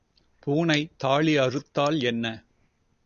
பூனை தாலி அறுத்தால் என்ன?